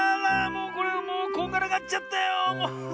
もうこれもうこんがらがっちゃったよ！